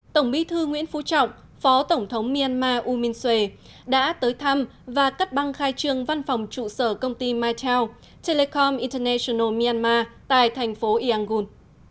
tổng bí thư nguyễn phú trọng phó tổng thống myanmar u minh suê đã tới thăm và cắt băng khai trương văn phòng trụ sở công ty maitel telecom international myanmar tại thành phố iang